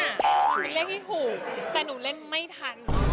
มันเป็นเลขที่ถูกแต่หนูเล่นไม่ทัน